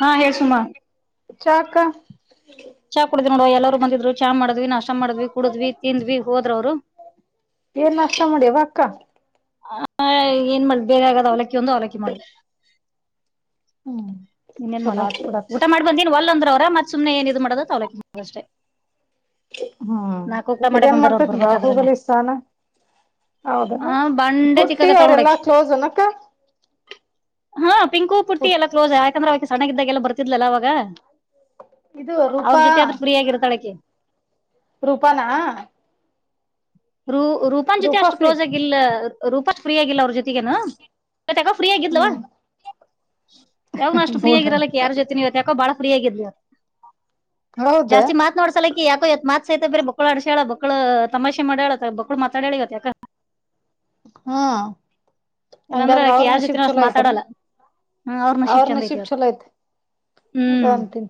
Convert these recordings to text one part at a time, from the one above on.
ಹಾ ಹೇಳ ಸುಮಾ. ಚಾಕ್ಕ. ಚಾ ಕುಡಿದ್ ನೋಡ ಎಲ್ಲರರು ಬಂದಿದ್ರು ಚಾ ಮಾಡ್ವಿ ನಷ್ಟ ಮಾಡ್ವಿ ಕುಡಿದ್ವಿ ತಿಂದ್ ಹೋದರು ಅವರು. ಏನ್ ನಾಷ್ಟ ಮಾಡಿಯವ ಅಕ್ಕ. ಆ ಏನ್ ಮಾಡ್ ಬೇರೆ ಆಗಾದ್ ಅವಲಕ್ಕಿ ಒಂದು ಅವಲಕ್ಕಿ ಮಾಡ್ದ. ಹ್ಮ್- ನೀನ್ ಏನ್ ಚಲೋ ಮಾಡೋ ಆತ್ ಬಿಡಕ್ಕ ಊಟ ಮಾಡಬ ಬಂದನ್ ಒಲ್ ಅಂದ್ರ ಅವ್ರರ ಮತ್ ಸುಮನೆ ಏನ್ ಇದ್ ಮಾಡೋದ ತ ಅವಲಕಿ ಮಾಡದಷ್ಟೆ. ಹ್ಮ್ ನಾಕೂಕ್ಲ ಮಾಡೆ ಇದೇನ್ ಬಂದಾರ ಅವರು ಮಾಡ್ತೇತ್ ಬರ್ಬೇಕಾದ್ರನೆ. ಬಾಹುಬಲಿ ಸ್ಥಾನ ಹೌದನ ಆ ಭಾಂಡೆ ತಿಕ್ಕ ಪುಟ್ಟಿ ಕತ್ತಾಳ ಅವರೆಲ್ಲಾ ನೋಡಕಿ. ಕ್ಲೋಸ್ ಅನಕ್ಕ ಹಾ ಪಿಂಕು ಪುಟ್ಟಿ ಎಲ್ಲ ಕ್ಲೋಸ್ ಯಾಕಂದ್ರೆ ಅವೆ ಸಣ್ಣಾಗಿದ್ದಾಗೆಲ್ಲಾ ಬರ್ತಿದ್ಲಲ್ಲ ಅವಾಗ. ಇದು ಅವ್ರ ರೂಪಾ ಜೊತೆ ಆದ್ರ ಫ್ರೀ ಆಗಿರ್ತಾಳ ಅಕೀ. ರೂಪಾನ. ರೂ ರೂಪಾನ್ ಜೊತೆ ರೂಪಾ ಅಷ್ಟು ಫ್ರೀ ಕ್ಲೋಸ್ ಆಗಿಲ್ಲ ರೂಪಾ ಫ್ರೀ ಆಗಿಲ್ಲ ಅವ್ರ ಜೊತೆ. ಇವತ್ತು ಯಾಕೋ ಫ್ರೀ ಆಗಿಲ್ದು ಅವ. ಹ್ಮ್ ಯಾವ್ನು ಅಷ್ಟ ನೋಡಣ ಫ್ರೀಯಗಿರೋಲ್ಲಕ್ಕ ಯಾರ ಜೊತೆ ನೀ ಇವತ್ತು ಯಾಕೋ ಬಾಳ ಫ್ರೀ ಆಗಿದ್ಲಿವ. ಹೌದ ಜಾಸ್ತಿ ಮಾತ್ ನೋಡ್ಸಲಕ್ಕೆ ಯಾಕೋ ಎತ್ ಸೈತ ಬ್ರ ಬಕ್ಳು ಅಡ್ಸ್ಯಳ ಬಕ್ಳು ತಮಾಷೆ. ಮಾಡಾಡ ಬಕ್ಳು ಮಾತಾಡ ಹೇಳ ಯಾಕೆ. ಹಾ ಇಲ್ಲಾಂದ್ರ ಅಂಗಾದ್ರೆ ಆಕಿ ಅವ್ರ ಯಾರ ನಶಿಬ ಜೊತೆನೂ ಅಷ್ಟ್ ಛಲೋ ಐತಿ ಮಾತಾಡಲ್ಲ ಹ್ಮ್, ನಶೀಬ್ ಅವ್ರ ಚಂದ ನಶಿಬ್ ಇವತ್ ಛಲೋ ಐತಿ. ಹೌದಂತಿ.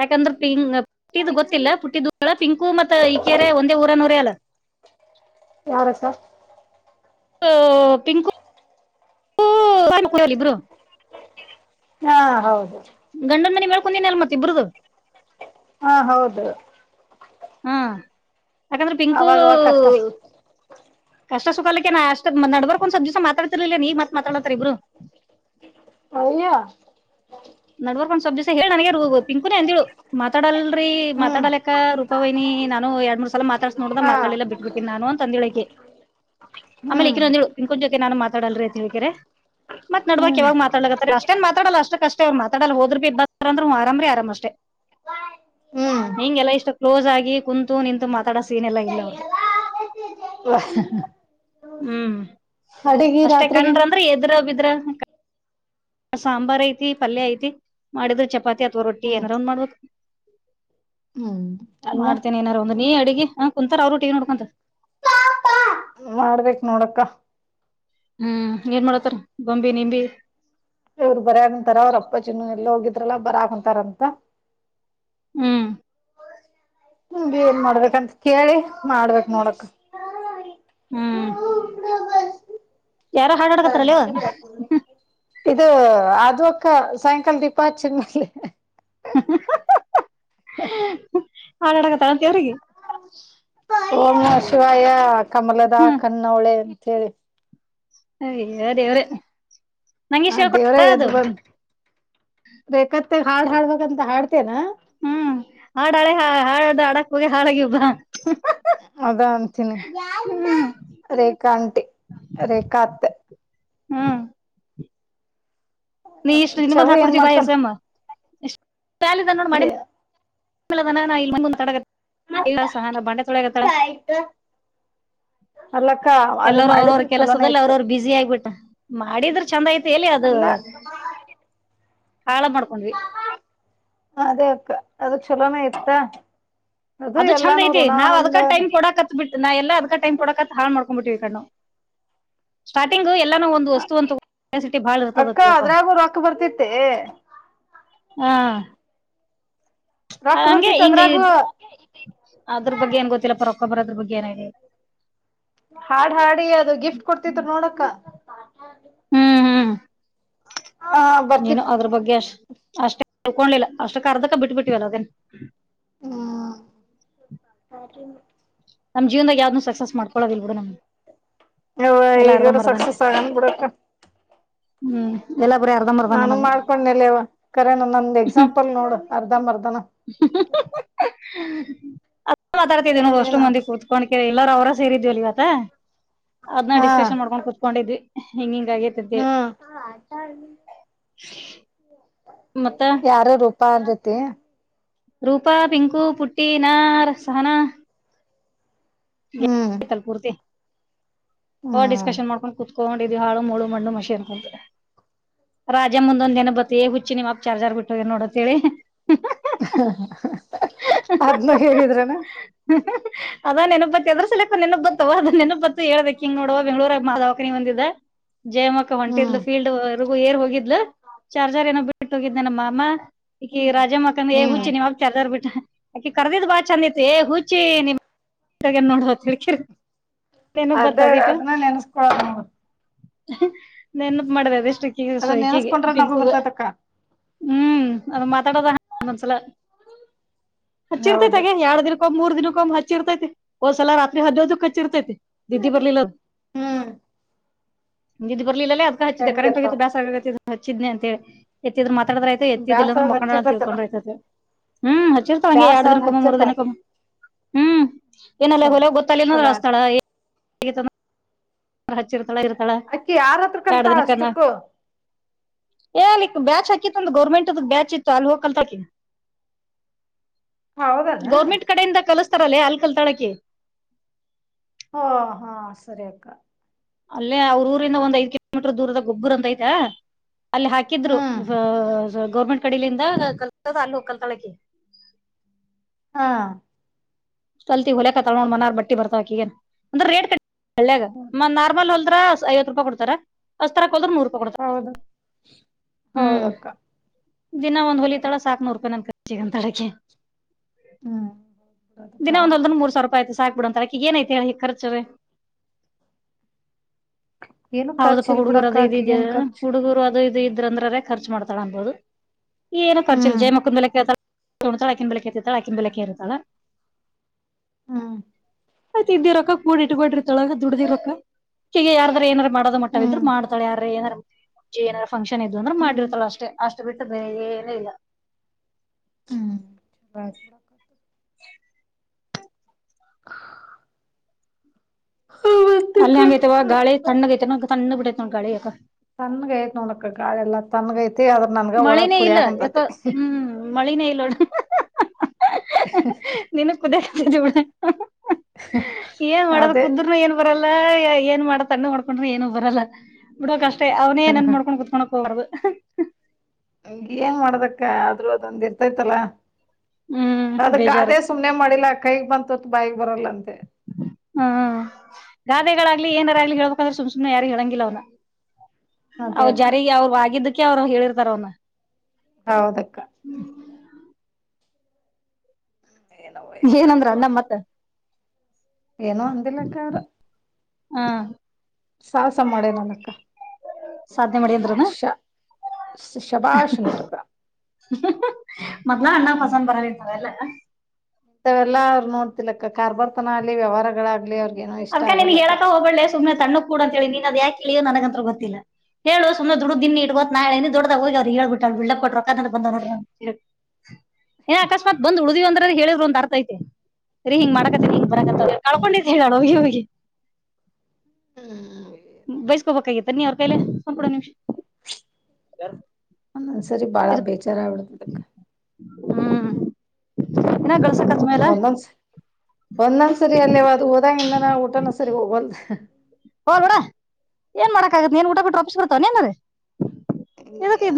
ಯಾಕಂದ್ರೆ ಪಿಂ ಪುಟ್ಟಿದ್ ಗೊತ್ತಿಲ್ಲ ಪುಟ್ಟಿದ ಪಿಂಕು ಮತ್ತೆ ಈಕೇರೆ ಒಂದೇ ಊರನೋರೆ ಅಲ್ಲ. ಯಾರ ಅಕ್ಕ. ಪಿಂಕು. ಓ ಕ ಕೊಡ ಇಬ್ರು. ಹಾ ಹೌದು. ಗಂಡಂದ ಮನೆ ಮೇಳ್ಕೊಂಡಿನನ ಅಲ್ ಮತ್ತ ಇಬ್ಬರದು. ಹಾ ಹೌದು. ಹಾ ಯಾಕಂದ್ರೆ ಪಿಂಕು. ಅವಾಗವಾಗ ಕಷ್ಟ ಕಷ್ಟ ಸುಖಕಕ್ಕೆ ನ ಅಷ್ಟ ನಡ್ಬರ್ಕ್ ಒಂದಸ ದಿವಸ ಮಾತಾತಿರ್ಲಿಲ್ಲ ನೀ್ ಮಾತಾತರಿ ಇಬ್ರು. ಹಯ್ಯಾ. ನಡ್ವರ್ಕೊಂಡ್ ಸ್ವಬ್ ದಿವಸ ಹೇಳಿ ನನಗೆ ಪಿಂಕುನೇ ಅಂದಂತಳು ಮಾತಾಡಲ್ರರಿ ಹ್ಮ್ ಮಾತಾಡಕ್ಕ. ಪಪ್ಪವ್ನ ನಾನು ಎರಡ್ ಮೂರ್ ಸಲ ಮಾತಾಡ್ಸ ನೋಡ್ದದ ಹಾ ಮಾತಾಡಿಲ್ಲಾ ಬಿಟ್ಬಿಟ್ಟಿನಿ ನಾನ ಅಂದ ಹೇಳಳಿಕೆ. ಆಮೇಲೆ ಹ್ಮ್ ಈಕನ್ನೊಂದ ಅಂದಳು ರೂಪ ಜೊತೆ ನಾನು ಮಾತಾಡಲ್ರರಿ ಅಂತ ಹೇಳ್ಕರ. ಮತ್ ನಾಡಬರ್ಕ ಹ್ಮ್ ಯಾವಾಗ ಮಾತಾಡ್ಲಕತ್ತ ಅಷ್ಟೇನ್ ಮಾತಡಲ್ಲ ಅಷ್ಟೇ್ತಾಡ ಹೋದ್ರ ಬಿ ಬಾರ ಅಂದ್ರ್ರಾಮ್ರರಿ ಆರಾಮ ಅಷ್ಟೇ. ಹ್ಮ್ ಹಿಂಗೆಲ್ಲಾ ಇಷ್ಟು ಕ್ಲೋಸ್ ಆಗಿ ಕುಂತು ನಿಂತು ಮಾತಾಡ ಸೀಏನೆ ಎಲ್ಲ ಇಲ್ಲ ಅವ್ರದು. ಹ- ಹುಂ ಅಷ್ಟೇ ರಾತ್ರಿಗೆ ಕಡ್ರ ಅಂದ್ರೆ ಎದ್ರ ಬಿದ್ರ ಸಾಂಬಾರ ಐ ಐತಿ ಪಲ್ಯ ಐತಿ ಮಾಡಿದ್ರ ಚಪಾತಿ ಅಥವಾ ರೊಟ್ಟಿ ಹ್ಮ್ ಏನರ ಒಂದ್ ಮಾಡುದ ಹ್ಮ್ ಅನ್ನ ಮಾಡ್ತೇನಿ ಏನಾರು ಒಂದು ನೀ ಅಡಗಿ ಹ ಕುಂತಾರ ಅವರು ಟಿವಿ ನೋಡ್ಕೊಂತ ಮಾಡ್ಬೇಕ್ ನೋಡಕ್ಕಾ ಹ್ಮ್ ಏನ್ ಮಾಡತ್ತಾರ ಗೊಂಬಿ ನಿಂಬಿ ಇವರು ಬರಯಂತಾರ ಅವ್ರ ಅಪ್ಪಾಜಿ ನು ಎಲ್ಲೆ ಹೋಗಿದ್ರಲ್ಲ ಬರಾಕಂತಾರಂತ ಹುಂ ಹಮ ಏನ್ ಮಾಡ್ಬೇಕಂತ ಕೇಳಿ ಮಾಡ್ಬೇಕ್ ನೋಡಕಾ ಹುಂ ಯಾರೊ ಹಾರಾಡಾಕತ್ರಾಲ್ ಅವ್ವ ಇದು ಆದು ಅಕ್ಕಾ ಸಾಯಂಕಾಲ ದೀಪ ಹಚ್ಚಿದ ಮ್ಯಾಲೆ [inaudible] ಹಾರಾಡಕತ್ತಿ ಅಂತಿ ಅವ್ರಿಗೆ ಓಂ ನಮಃ ಶಿವಾಯ ಕಮಲದಾ ಹ್ಮ್ ಕಣ್ಣೋಳೆ ಅಂತೇಳಿ ಐಯ ದೇವರೇ ಆ ದೇವರೇ ಎದ್ದು ಬಂದ ರೇಖಾತ್ತಿಗ ಹಾಡ್ ಹಾಡ್ಬೇಕಂತ ಹಾಡತೀಯನ್ ಹುಂ ಹಾಡ ಹಾಡೆ ಹ ಹಾಡ ಹಾಡಕ್ ಹೋಗಿ ಹಾಳಾಗಿವ ಬಾ ಅದಾ ಅಂತೀನಿ ಹ್ಮ್ [inaudible] ರೇಖಾ ಆಂಟಿ ರೇಖಾ ಅತ್ತೆ ಹುಂ ನೀ ಇಷ್ಟು ನಿನಗೊಂದ ಚವು ಏನ್ ಹಾಕೊಡ್ತೀ ಬಾ ಮಾಡ್ತಾನ ಸಮ್ಮ ಎಷ್ಟಾಲ ನೋಡ್ ಮಾಡಿ [unintelligible] ಸಹನಾ ಬಾಂಡೆ ತೊಳ್ಯಾಕಹತ್ತ್ಯಾಳ [unintelligible] ಅಲ್ಲಕ್ಕ ಅದು ಎಲ್ಲಾರು ಅವ್ರವ್ರ ಮಾಡಿದ್ರೆ ಚಲೋನೇ ಕೆಲಸದಲ್ಲಿ ಇತ್ತು ಅವ್ರವ್ರು ಬಿಸಿ ಆಗಿಬಿಟ್ಟಾರ್ ಮಾಡಿದ್ರ ಚೆಂದ ಐತೆ ಎಲ್ಲಿ ಅದು ಅಲ್ಲ ಹಾಳ ಮಾಡ್ಕೊಂಡ್ ವಿ ಅದೇ ಅಕ್ಕ ಅದು ಚಲೋನೇ ಇತ್ತಾ ಅದು ಚೆಂದ ಐತಿ ನಾವ್ ಅದಕ ಟೈಮ್ ಕೊಡಕತ್ ಬಿ ನಾ ಎಲ್ಲಾ ಅದಕ ಟೈಮ್ ಕೊಡಕತ್ ಹಾಳ್ ಮಾಡಕೊ ಬಿಟ್ಟೀವಿ ಇಕಾಡಿ ನಾವು ಸ್ಟಾರ್ಟಿಂಗ್ ಎಲ್ಲನೋ ಒಂದು ವಸ್ತು ಅಂತ ಭಾಳ ಇರತದ ಅಂತ ಅಕ್ಕ ತಿಳ್ಕೋ ಅದ್ರಾಗೂ ರೊಕ್ಕ ಬರ್ತಿತ್ತೆ ಹಾ ರೊಕ್ಕ ಹಂಗೆ ಬರ್ತಿತ್ ಹಿಂಗ ಅದ್ರಾಗೂ ಅದ್ರ ಬಗ್ಗೆ ಏನ್ ಗೊತ್ತಿಲ್ಲಪ್ಪ ರೊಕ್ಕಾ ಬರೋದ್ರ ಬಗ್ಗೆ ಏನ ಐಡಿ ಯಾ ಇ ಹಾಡ್ ಹಾಡಿ ಅದು ಗಿಫ್ಟ್ ಕೊಡ್ತಿದ್ರು ನೋಡಕ್ಕ ಹ್ಮ್ ಹ್ಮ್ ಆ ನೀನು ಬರ್ತಿತ್ ಅದ್ರ ಬಗ್ಗೆ ಅಷ್ಟ ಅಷ್ಟೇ ತಿಳ್ಕೊಂಡಲಿಲ್ಲ ಅಷ್ಟ ಅರ್ಧಕ್ಕ ಬಿಟ್ಬಿಟ್ಟವಲ್ಲ ಅದೇನ್ ಹಾ [unintelligible] ನಮ್ ಜೀವನ್ದಾಗ ಯಾವ್ದನ ಸಕ್ಸಸ್ ಮಾಡ್ಕೊಳೋದಿಲ್ ಬಿಡ ನಾ ಯವ್ವ ಎಲ್ಲಾ ಅರ್ಧ ಈಗಾರ ಮರ್ದಾನೆ ಸಕ್ಸಸ್ ಆಗನ್ ಬಿಡಕ್ಕ ಹುಂ ಎಲ್ಲಾ ಬೇರೆ ಅರ್ಧಂಬರ್ದಾ ನಾನು ಮಾಡ್ಕೊಂಡನೆಲ್ಲವ ಕರೇನ ನಂದ್ ಎಕ್ಸಾಂಪಲ್ ನೋಡು ಅರ್ಧ ಮರ್ಧಾನ [inaudible] ಅದನ ಮಾತಾಡ್ತಿದ್ದೀನ ಇನ್ನೇನ ಅಷ್ಟು ಮಂದಿ ಕೂತ ಕೊನಕೆರಿ ಎಲ್ಲರು ಅವರ ಸೇರಿದ್ವಲ್ ಇವತ್ತ ಅದನ ಹಾ ಡಿಸಕನ್ ಮಾಡಕೊಂಡು ಕುತ್ಕೊಂಡಿದ್ವಿ ಹಿಂಗ ಹಿಂಗ ಆಗೇತೈತಿ ಅಂತ ಹೇಳಿ ಹ್ಮ್ ಮತ್ತ ಯಾರ ರೂಪಾ ಅವರ ಜೊತೆ ರೂಪಾ ಪಿಂಕೂ ಪುಟ್ಟಿ ಇ ನಾರ ಸಹನಾ ಹ್ಮ್ [unintelligible] ಪೂರ್ತಿ ಅವ ಹ್ಮ್ ಡಿಸ್ಕಶನ್ ಮಾಡ್ಕೊಂಡು ಕುತ್ಕೊಂಡಿದ್ವಿ ಹಾಳ ಮುಳು ಮಣ್ಣ ಮಸಿ ಅನಕೋಂತ ರಾಜಾಮಂದ ಒಂದ್ ಬತ್ತ ಎ ಹುಚ್ಚಿ ನಿಮ್ಮ ಅಪ್ಪ ಚಾರ್ಜಾರ್ ಬಿಟ್ಟ ಹೋಗಾನ ನೋಡತ್ತೇಳಿ ಹಾ ಹಾ ಅದನ್ನು ಹೇಳಿದರೇನ [inaudible] ಅದಾ ನೆನಪ ಬತ್ ಎದ್ರ ಸಲೇಕ ನೆನಪ್ ಬತ್ ಅವ್ವ್ ಅದ ನೆನಪ್ ಬತ್ ಹೇಳ್ದೆ ಕಿಂಗ್ ನೋಡವ ಬೆಂಗ್ಗಳರಗ ಮಾ ದವಾಖಾನೀಗಿ ಬಂದಿದ್ದೆ. ಜೈಮಕ್ಕ ಹ್ಮ್ ಹೊಂಟಿದ್ಲು ಫೀಲ್ಡ್ಗು ಏರ್ ಹೋಗಿದ್ಲು ಚಾರ್ಜಾರ್ ಏನೋ ಬಿಟ್ಟು ಹೋಗಿದ್ನನೆ ನಮ್ಮ ಅಮ್ಮ. ಈಕಿ ರಾಜಮ್ಮಕ್ಕಂದ ಏ ಹ್ಮ್ ಹುಚ್ಚಿ ನಿಮಪ್ಪ ಚಾರ್ಜರ್ ಬಿಟ್ಟ ಅಕಿ ಕರ್ದಿದ್ ಬಾಳ ಚಂದ ಇತ್ತ. ಏ ಹುಚ್ಚಿ ನೀಮ್ [unintelligible] ನೋಡು ಅಂತ ಹೇಳ್ಕೆರೆ ನೆನ್ಪ್ ಅದೇ ಬರ್ತಾವ್ ಇಟು ಅದನ್ನ ನೆನ್ಸ್ಕೊಳೋದ ನಾವು ನೆನಪ್ಪ ಮಾಡ್ದ ಅದುಷ್ಟುಕ್ಕೀ ಅದನ್ನ ಸೋಯಕಿಗಿ ನೆನ್ಸ್ಕೊಂಡ್ರೆ ನಗು ಪಿಂಕುಗ, ಬರ್ತೈತಕ್ಕ ಹ್ಮ್ ಅದು ಮಾತಾಡೋದ ಹಂಗ್ ಒಂದೊಂದ್ಸಲ ಹಚ್ಚಿರ್ತೈತ ಹೌದು ಹಂಗೆ ಯಾಡ್ ದಿನಕ್ಕ [unintelligible] ಮೂರ್ ದಿನಕೊಮ್ಮ ಹಚ್ಚಿರ್ತೈತ. ಓದ್ ಸಲಾ ರಾತ್ರಿ ಹನೊಂದ್ಕ ಹಚ್ಚಿರ್ತೈತೆ ನಿದ್ದಿ ಬರಲಿಲ್ಲ. ಹ್ಮ್ ನಿದ್ದಿ ಬರ್ಲಿಲ್ಲ ಅಲೆ ಅದ್ಕ ಹಚ್ಚಿದ್ದೆ ಕರೆಂಟ್ ಹೆಂಗಿರ್ತಾವ ಹೋಗಿತ್ತು ಬ್ಯಾಸ್ರ ಆಗಕ್ ಕತೀತ ಹಚ್ಚಿದ್ನೇ ಅಂತ ಹೇಳಿ ಎತ್ತಿದ್ರ ಮಾತಡ್ದಾರ ಆಯ್ತ. ಅದ್ಕ ಎತ್ತಿದಿಲ್ಲ ಅಂದ್ರ ಬ್ಯಾಸರಾದ್ ಮಕೊಂಡಳ ಅಂತ ಹಚ್ಚಿರ್ತೈತಲ್ಲ ತಿಳ್ಕೊಕೊಂಡ್ರ ಆಯ್ತ್ ಅಂತೇಳಿ. ಹ್ಮ್ ಹಚ್ಚಿರ್ತಾಳ್ ಅಂಗೆ ಎರಡ್ ಬ್ಯಾಸರಾದ್ ದಿನಕೊಮ್ಮೆ ಮೂರ್ ಹಚ್ಚಿರ್ತಾರ ದಿನಕೊಮ್ಮೆ ಹ್ಮ್. ಏನ್ ಅಲ್ಲಿ ಹೋಗಿ ಚಲೋ ಗೋಲೆ ಗೊತ್ತಲ್ಲಿಲ್ಲದ್ರ ಚಲೋ ಆತ್ ಅಸ್ತಳ. ಏ ಹಚ್ಚಿರ್ತಾಳ ಇರ್ತಾಳ ಅಕ್ಕಿ ಯಾರ ಹತ್ರ ಎರಡ್ ಕಲ್ತಾಳ ದಿನ ಕನ. ಅಷ್ಟಕ್ಕೂ ಎಲ್ಲಿಕ್ ಬ್ಯಾಚ್ ಹಾಕಿತ್ತು ಒಂದು ಗೌರ್ಮೆಂಟ್ದ ಬ್ಯಾಚ್ ಇತ್ತು ಅಲ್ಲಿ ಹೋಗಿ ಕಲ್ತಳ್ ಅಕಿ. [inaudible] ಗೌರ್ಮೆಂಟ್ ಕಡೆಯಿಂದ ಕಲಿಸ್ತಾರಲ್ಲೇ ಅಲ್ಲಿ ಕಲ್ತಳ ಅಕ್ಕಿ. ಹಾ ಹಾ ಸರಿ ಅಕ್ಕ. ಅಲ್ಲೇ ಅವ್ರ ಉರಿಂದ್ ಒಂದ್ ಐದ್ ಕಿಲೋಮೀಟರ್ ದೂರದ ಗೊಬ್ಬರ ಅಂತ ಐತೈ. ಅಲ್ಲಿ ಹಾಕಿದ್ರು ಹ್ಮ್ ಜ್ ಜ್ ಗೌರ್ಮೆಂಟ್ ಕಡಲಿಂದ ಕಲ್ದ ಅಲ್ಲ ಹೋಗಿ ಕಲ್ತಳ ಅಕಿ. ಹಾ. ಕಲ್ತಿ ಈಗ್ ಹೊಲ್ಯಾಕತ್ಳ ನೋಡ್ ಮನಾರ್ ಬಟ್ಟಿ ಬರ್ತಾವ್ ಅಕಿಗೇನ್. ಅಂದ್ರ ರೇಟ್ ಕಡಿ ಹಳ್ಯಗ ನಾರ್ಮಲ್ ಹೊಲ್ದ್ರ ಸ ಐವತ್ತು ರೂಪಾಯಿ ಕೊಡ್ತಾರ ಅಸ್ತರ ಹಾಕಿ ಹೊಲದ್ರಾ ನೂರಪಾಯಿ ಕೊಡ್ತಾರ. ಹೌದು. ಹ್ಮ್ ಹೌದಕ್ಕ ದಿನ ಒಂದ್ ಕರೆ ಹೊಲಿತಳ ಸಾಕ್ ನೂರಪಾಯಿ ನನ್ ಖರ್ಚಗಿ ಅಂತಳ ಅಕಿ. ಹ್ಮ್ ದಿನ ಒಂದ ಹೋಲ್ದ್ರುನು ಮೂರ್ ಸಾವರ ರೊಪಾಯಿ ಆತ್ದ್ ಸಾಕ್ ಬಿಡ ಅಂತಾಳ್ ಅಕಿಗಿ ಏನ್ ಆಯ್ತ್ ಹೇಳ ಖರ್ಚುವೇ. ಏನು ಖರ್ಚು ಹೌದಪ್ಪಾ ಇಲ್ ಹುಡುಗರು ಬಿಡಕ್ಕ ಅದು ಇದ ಇದ ಆಕಿಗೇನ್ ಖರ್ಚು ಹುಡುಗರು ಅದು ಇದು ಇದ್ರ ಅಂದ್ರರೇ ಖರ್ಚು ಮಾಡ್ತಾಳ ಅನ್ಬಹದು. ಏನು ಖರ್ಚ್ ಇಲ್ ಹ್ಮ್ ಜಯಮಕ್ಕನ್ ಮೇಲೆ ಕೇಳತಳ ಉಣತಾಳ್ ಅಕಿನ್ ಬಲ್ಲೆ ಕೇಳ್ತೀರತಾಳ್ ಅಕಿನ್ ಬಲ್ಲೆ ಕೇರ್ ಇರ್ತಾಳ. ಹ್ಮ್. ಆಯ್ತ ಇದ್ದಿ ರೊಕ್ಕ ಕೂಡ್ ಇಟ್ಕೊಂಡ ಇರ್ತಾಳ ದುಡ್ದಿ ರೊಕ್ಕ. ಅಕಿಗೇ ಯಾರದ್ರಾ ಏನರ ಮಾಡೋದ ಮಟ್ಟವ್ ಹ್ಮ್ ಇದ್ರ ಮಾಡ್ತಳ. ಯಾರ್ರೇ ಏನರ್ ಏನಾರ ಫಂಕ್ಷನ್ ಇದ್ವ ಅಂದ್ರ ಹ್ಮ್ ಮಾಡಿರ್ತಳ್ ಅಷ್ಟೇ ಅಷ್ಟು ಬಿಟ್ಟು ಬೇರೆ ಏನು ಇಲ್ಲ. ಹ್ಮ್ ಬ [inaudible] [inaudible] ಹ್ಮ. ಅಲ್ಲಿ ಹೆಂಗ ಐತೈವ ಗಾಳಿ ತಣ್ಣಗ್ ಐತೆನ ತಣ್ಣಗ ಬೀಟೈತ ಗಾಳಿ ಯಾಕೊ. ತನ್ಗ ಐತ್ ನೋಡಕ ಗಾಳಿ ಎಲ್ಲ ತನ್ಗ ಐತಿ. ಆದ್ರ, ನನ್ಗ ಒಳಗ್ ಮಳಿನೇ ಇಲ್ಲ ಕುದಿಯಾಕ ಯಾಕೊ ಕುಂತೈತಿ ಹ್ಮ್. ಮಳಿನೇ ಇಲ್ಲೋಡ ನೀನ್ನೇ ಕುದಿ ಇತ್ತ ಬಿಡ. ಏನ್ ಮಾಡದು ಅದೇ ಕುದ್ರರನು ಏನ್ ಬರಲ್ಲ ಏನ್ ಮಾಡ ತಣ್ಣಗ್ ಮಾಡ್ಕೊಂಡ್ರಿ ಏನು ಬರಲ್ಲ ಬಿಡ್ಬೇಕ ಅಷ್ಟೆ ಅವನೇ ಏನ್ ಮಾಡ್ಕೊಂಡು ಕುತ್ಕೋಣ್ಕ ಹೋಗಬಾಡ್ದ. ಹ ಏನ್ ಮಾಡುದಕ್ಕ ಆದ್ರೂ ಅದೊಂದ ಇರ್ತೈತಲ್ಲ. ಹ್ಮ್ ಅದ ಬೇಜಾರು ಗಾದೆ ಸುಮ್ನೆ ಮಾಡಿಲ್ಲ ಕೈಗ್ ಬಂತ ತುತ್ತು ಬಾಯಿಗಿ ಬರಲ್ಲ ಅಂತೆ. ಹಾ ಗಾದೆಗಳಾಗ್ಲಿ ಏನಾರಾಗ್ಲಿ ಹೇಳ್ಬೇಕಂದ್ರ ಸುಮ್ ಸುಮ್ಮನೆ ಯಾರಿಗ್ ಹೇಳಂಗಿಲ್ಲ ಅವ್ನ. ಅದೇ ಅವ್ ಅಕ್ಕ ಜಾರಿಗ್ ಅವ್ರು ಆಗಿದಿಕ್ಕೆ ಅವ್ರು ಹೇಳಿರ್ತಾರ ಅವ್ನ. ಹೌದಕ್ಕ. ಏನವ ಏನಂದ್ರ ಅಣ್ಣಾ ಮತ್. ಏನು ಅಂದಿಲ್ಲಕ್ಕ ಅವ್ರ. ಹಾ ಸಾವಸ ಮಾಡ್ಯನ ಅಲ್ ಅಕ್ಕ. ಸಾದ್ನೆ ಮಾಡಿದ್ರೇನ ಶಬಾಷ್ ಅಂತರಕ್ಕ ಮೊದ್ಲ ಅಣ್ಣ ಪಸಂದ್ ಬರಲ್ ಹಿಂತವೆಲ್ಲ ಹಿಂತವೆಲ್ಲ ಅವ್ರು ನೋಡ್ತಿಲಕ್ಕ ಕಾರ್ಬಾರ್ ತನ ಆಗ್ಲಿ ವ್ಯವಹಾರಗಳಾಗ್ಲಿ ಅವ್ರ ಅದ್ಕ ನೀನ್ ಹೇಳಕ ಹೋಗ್ಬ್ಯಾಡ್ಲೆ ಸುಮ್ನೆ ತನ್ನುಗ್ ಕೂಡ ಅಂತ ಹೇಳಿನಿ ನಿನ್ ಅದ ಯಾಕ ಕೆಳಿಯ ನನಗಂತ್ರು ಗೊತ್ತಿಲ್ಲ. ಹೇಳು ಸುಮ್ನ ದುಡ್ಡುದ್ ನಿನ್ನಿ ಇಟಗೋ ನಾ ಹೇಳಿನಿ ದೊಡದಾಗ ಹೋಗ್ ಅವ್ರಿಗ್ ಹೇಳ್ಬಿಟ್ಟಳ ಬಿಡ್ಲಪ್ ಕೊಟ್ಟ ರೊಕ್ಕ [unintelligible] ಬಂದವ ನೋಡ್ರಿ ಅಂತ್ ಹೇಳಿ. [inaudible] ಏ ಅಕಸ್ಮತ್ ಬಂದ ಉಳಿದೀವ್ ಅಂದ್ರ ಹೇಳಿದ್ ಒಂದ ಅರ್ಥೈಐತಿ ರಿ ಹಿಂಗ್ ಮಾಡಾಕತ್ತನಿ ಹಿಂಗ್ ಬರಕತ್ತವ ಕಳ್ಕೊಂಡಿದ್ದ ಹೇಳು ಹೋಗಿ ಹೋಗಿ. ಹ್ಮ್ ಬೇಸ್ಕೋಬೇಕ್ ಆಗಿತ್ ನೀ ಅವ್ರ ಕೈಲೆ. ಫೋನ್ ಕೋಡ್ ಒಂದ್ ನಿಮಿಷ್ ಯಾರ್. ಒಂದೊಂದ್ ಸರಿ ಬಾಳ ಬೇಜಾರ ಆಗ್ ಬಿಡತದ ಅಕ್ಕ. ಹ್ಮ್ ಹಿನಾ ಗಳಸಗತ್. ಒಂದೊಂದಸ್ ಒಂದೊಂದ್ ಸರಿ ಏಲ್ಲೇವ ಅದು ಹೋದಗಿಂದನ ಊಟನ ಸರಿ ಹೊಗವಲ್ತ್ ಹೋಲ್ ಬಿಡ ಏನ್ ಮಾಡಕ ಆಗತ್ ನೀನ್ ಊಟ ಬಿಟ್ರ ವಾಪಿಸ್ ಬರ್ತವೆನ್ ನಿನಿಗ್.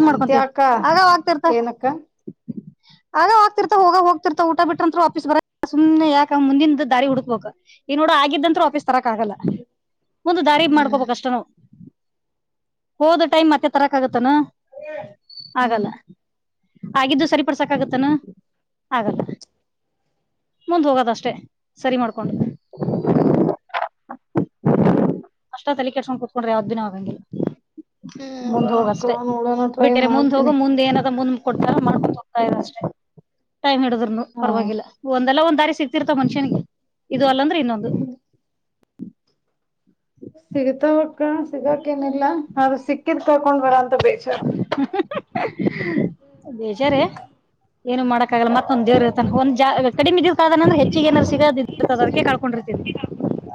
ಅದಿಕ್ಕೆ ಅಕ್ಕಾ ಏನಕ್ಕ. ಆಗ ಹೋಗ್ತೀರತಾವ್ ಹೋಗವ ಹೋಗ್ತಿರ್ತಾವ್ ಊಟ ಬಿಟ್ಟ್ರ ಅಂತ್ರು ವಾಪೀಸ್ ಬರಲ್ ಸುಮ್ನೆ ಯಾಕ ಮುಂದಿಂದ ದಾರಿ ಹುಡುಕ್ಬೇಕ. ಈ ನೋಡ ಆಗಿದ್ದಂತ್ರು ವಾಫೀಸ್ ತರಕ್ ಆಗಲ್ಲ. ಮುಂದ್ ದಾರಿ ಹ್ಮ್ ಮಾಡ್ಕೋಬೇಕಷ್ಟನು ಹೋದ ಟೈಮ್ ಮತ್ತೆ ತರಕ್ ಅಗತೇನ. ಹ್ಮ್ ಆಗಲ್ಲ ಆಗಿದ್ದು ಸರಿಪಡ್ಸಕ್ ಆಗತ್ತನ ಆಗಲ್ಲ. ಮುಂದ್ ಹೋಗದ ಅಷ್ಟೇ ಸರಿ ಮಾಡ್ಕೊಂಡ್. ಅಷ್ಟ ತಲಿ ಕೆಡಸ್ಕೊಂಡ ಕುತ್ಕೊಂಡ್ರ ಯಾವ್ದುನು ಆಗಂಗಿಲ್ಲ. ಹ್ಮ್ ಮುಂದ್ ನೋಡಕ್ಕ ಹೋಗಷ್ಟೆ ನೋಡೋಣ ಟ್ರೈ ಬಿಟ್ಟರೆ ಮುಂದ್ ಹೋಗು ಮಾಡ್ತೀನಿ ಮುಂದ ಏನದ ಮುಂದ. ಕೊಡ್ತರ ಮಾಡ್ಕೊಂತ್ ಹೋಗ್ತಾ ಇರು ಅಷ್ಟೇ ಟೈಮ್ ಹಿಡದುರ್ನು ಹಾ ಪರವಾಗಿಲ್ಲ ಒಂದಲ್ಲ ಒಂದ ದಾರಿ ಸಿಗ್ ತೀರ್ತವ ಮನಸ್ಯನಿಗ್ ಇದು ಅಲ್ಲಂದ್ರ ಇನ್ನೊಂದು. ಸಿಗ್ತಾವಕ್ಕ ಸಿಗಾಕ ಏನಿಲ್ಲ ಆದರ್ ಸಿಕ್ಕಿದ್ ಕಳಕೊಂಡ್ವಲ್ಲ ಅಂತ ಬೇಜಾರ. [inaudible] ಬೇಜಾರೆ ಏನು ಮಾಡಕ್ಕಾಗಲ್ಲ ಮತ್ತೊಂದ್ ದೇವ್ರ ಇರ್ತಾನ್ ಒಂದ್ ಜಾ ಕಡಿಮಿ ಇದ್ದಿಕ ಅದನಂದ್ರ ಹೆಚ್ಚಿಗ ಏನರ್ ಸಿಗದ ಇದ್ದೀರತದ ಅದಿಕ್ಕೆ ಕಳ್ಕೊಂಡಿರ್ತೀತಿ.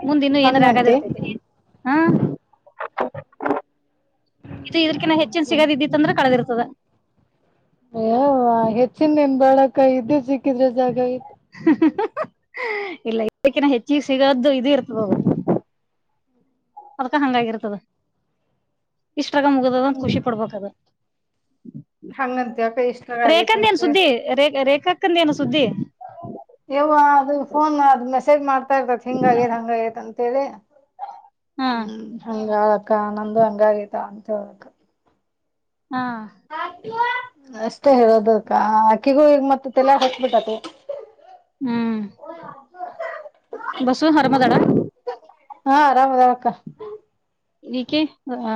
ಮುಂದ ಇನ್ನ ಏನರ ಆಗದ ಹಂಗಂತಿ ಇರ್ತೈತೆ. ಹ್ಮ ಇದು ಇದುರ್ಕಿನ ಹೆಚ್ಚಿನ ಸಿಗದಿದ್ದಿತ್ ತಂದ್ರ ಕಳದಿರ್ತದ. ಏ ಹೆಚ್ಚಿಂದೆನ್ ಬ್ಯಾಡಕ್ಕ ಇದ್ದಿದ ಸಿಕ್ಕಿದ್ರೆ ಸಾಕ್ ಆಗಿತ್. ಇಲ್ಲ ಇದರ್ಕಿನ ಹೆಚ್ಚಗ ಸಿಗದ ಇದು ಇರ್ತದ ಅದು. ಅದ್ಕ ಹಂಗಾಗಿರ್ತದ ಇಸ್ಟ್ರಾಗ್ ಮುಗುದದಂತ ಖುಷಿ ಪಡ್ಬೇಕದ. ಹಂಗಂತ ಯಾಕ ಇಷ್ಟರಾಗ ರೇಖಂದ ಏನ ಆಗೇತಂತೆ ಸುದ್ದಿ ರೇ ರೇಖಾಕ್ಕಂದ ಏನು ಸುದ್ದಿ. ಎವ್ವ ಅದು ಫೋನ್ ಮಾಡ ಮೆಸೇಜ್ ಮಾಡ್ ಅಂತ ಇರ್ತೈತ ಹಿಂಗ ಆಗ್ಯದ ಹಂಗ ಆಗೈತ್ ಅಂತೇಳಿ ಹಾ ಹ್ಮ್. ಹಂಗ ಅಕ್ಕ ನಂದು ಹಂಗ ಆಗೈತ್ ಅಂತ ಹೇಳಕ್ ಹಾ ಅಷ್ಟೇ ಹೇಳೋದಕ್ಕ ಅಕ್ಕಿಗೂ ಈಗ್ ಮತ್ತ್ ತೆಲ್ಯಾಗ್ ಹೊಕ್ಬಿಟ್ಟತಿ. ಹ್ಮ್ ಬಸವ ಹರಮದಳ. ಹಾ ಆರಾಮ್ ಅದಳ ಅಕ್ಕ. ಈಕಿ ಆ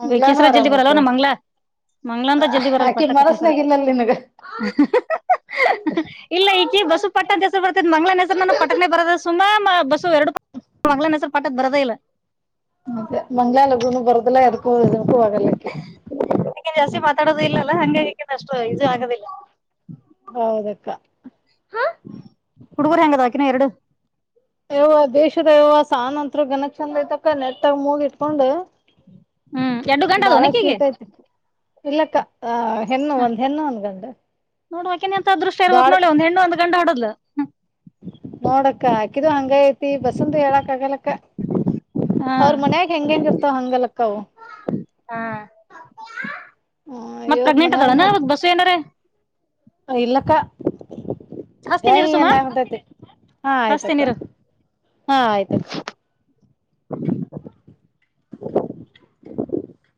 ಮಂಗ್ಲಾನು ಈಕೆಸರ ಜಲ್ದಿ ಆರಾಮ್ ಬರಲ್ಲ ಐತೆ ನ ಮಂಗ್ಲ ಮಂಗ್ಲಂದ ಜಲ್ದಿ ಬರಲ್ಲ ಆಕಿ ಪಟ್ಟಕತ ಹೆಸರು. ಮನಸ್ನಾಗ ಇಲ್ಲಲ್ ನಿನಗ ಹ ಹ ಹ ಹ ಹ ಇಲ್ಲ ಈಕಿ ಬಸು ಪಟ್ಟದ ಹೆಸರು ಬರ್ತೇದ ಮಂಗಳನನ್ ಹೆಸರು ನಾನು ಪಟ್ಟಕ್ನೆ ಬರದ ಸುಮಾ ಬಸು ಎರಡು ಮಂಗ್ಳನ ಹೆಸರ್ ಪಠ್ಅತ್ ಬರದೇ ಇಲ್ಲ. ಮತ್ತೆ ಮಂಗ್ಳಾ ಲಗುನು ಬರುದುಲ್ಲಾ ಎದಕ್ ಹೋದದನಕ್ಕೂ ಆಗಲ್ಲಕ್ಕೆ. ಅಕಿ ಜಾಸ್ತಿ ಮಾತಾಡೋದು ಇಲ್ಲಲ್ಲ ಹಂಗಾಗಿ ಅಕಿಂದ ಅಷ್ಟು ಇದು ಆಗದಿಲ್ಲ. ಹೌದಕ್ಕ. ಹುಡುಗರು ಹೆಂಗದವಕಿನವ ಎರಡು. ಯವ್ವ ಬೇಶದ ಯವ್ವ ಸಾನಂತರ ಗನ ಚಂದ ಐತಕ್ಕ ನೆಟ್ಟಾಗ ಮೂಗ್ ಕತ್ಕೊಂಡು ಹ್ಮ್ ಎರಡು ಗಂಡ ಅದ ಬಾಳ ಆಕಿಗೆ ಕ್ಯೂಟ್ ಆಯತ್ತು. ಇಲ್ಲಕ್ಕ ಹೆನ್ನು ಒಂದ್ ಹೆನ್ನು ಒಂದ್ ಗಂಡು. ನೋಡು ಅಕಿಂದ್ ಎಂತಾ ಅದೃಷ್ಟ ಇರ್ಬಕ್ ದೊಡ್ ನೋಡ್ಲೆ ಒಂದ್ ಹೆಣ್ಣು ಒಂದ್ ಗಂಡು ಹಡುದ್ಲು. ನೋಡಕ್ಕ ಅಕಿದು ಹಂಗ ಐತಿ ಬಸಂದು ಹೇಳಕ್ ಆಗಲಕ್ಕ. ಹಾ ಅವ್ರ ಮನ್ಯಾಗ ಹೆಂಗ ಹೆಂಗ ಇರ್ತಾವ ಹಂಗಲ್ಲ ಕ್ಕವು. ಹಾ ಮತ್ ಪ್ರೆಗ್ನೆಂಟ್ ಅದಳಾನಾ ಅವತ್ ಬಸು ಏನಾರೆ. ಇಲ್ಲಕ್ಕ. ಹಸ್ತೀನಿ ಇರು ಸುಮ [unintelligible] ಹಾ ಹಸ್ತೀನಿ ಆಯ್ತಕ್ಕ ಇರು. ಹಾ ಆಯ್ತಕ್ಕ. [inaudible]